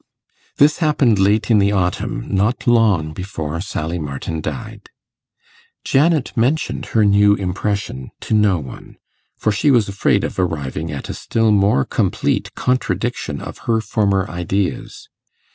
This happened late in the autumn, not long before Sally Martin died. Janet mentioned her new impression to no one, for she was afraid of arriving at a still more complete contradiction of her former ideas.